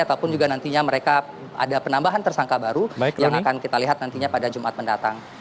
ataupun juga nantinya mereka ada penambahan tersangka baru yang akan kita lihat nantinya pada jumat mendatang